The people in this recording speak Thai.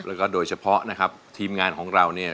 แล้วก็โดยเฉพาะนะครับทีมงานของเราเนี่ย